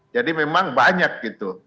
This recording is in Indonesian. jadi memang banyak gitu